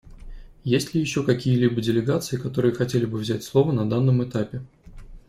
Есть ли еще какие-либо делегации, которые хотели бы взять слово на данном этапе?